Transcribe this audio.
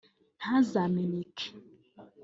ntazameneke